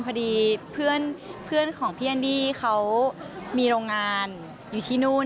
พอดีเพื่อนของพี่แอนนี่เขามีโรงงานอยู่ที่นู่น